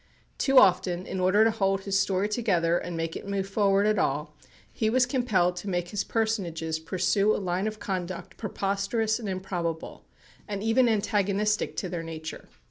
Too often, in order to hold his story together and make it move forward at all, he was compelled to make his personages pursue a line of conduct preposterous and improbable, and even antagonistic to their nature.